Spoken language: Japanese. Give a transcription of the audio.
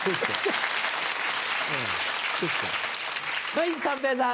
はい三平さん。